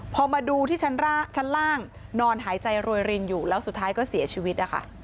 พอมาดูที่ชั้นล่างนอนหายใจรวยรินอยู่แล้วสุดท้ายก็เสียชีวิตนะคะ